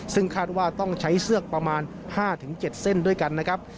ซึ่งคาดว่าต้องใช้เชือกประมาณ๕๗เส้นด้วยกันนะครับ